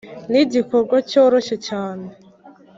ni igikorwa cyoroshye cyane